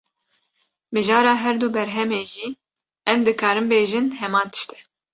Mijara her du berhemê jî, em dikarin bêjin heman tişt e